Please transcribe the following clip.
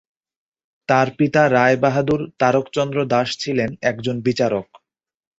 তাঁর পিতা রায় বাহাদুর তারক চন্দ্র দাশ ছিলেন একজন বিচারক।